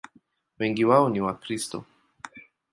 Wengi wao ni Wakristo.